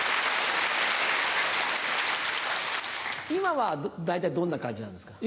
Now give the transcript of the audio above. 今は大体どんな感じなんですか？